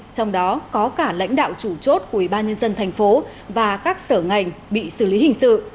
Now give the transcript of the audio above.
trong đó có cả lãnh đạo chủ chốt của ubnd tp hcm và các sở ngành bị xử lý hình sự